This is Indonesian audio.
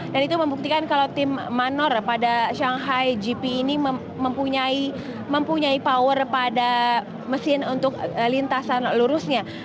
dan itu membuktikan kalau tim manor pada shanghai gp ini mempunyai power pada mesin untuk lintasan lurusnya